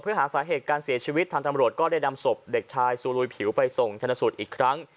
และในการเสียชีวิตทางตำรวจก็ได้ดำศพเด็กชายซูลูยผิวไปส่งชนสูตรอีกครั้ง